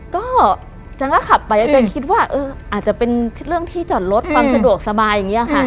ก็ฉันก็ขับไปจนคิดว่าอาจจะเป็นเรื่องที่จอดรถความสะดวกสบายอย่างนี้ค่ะ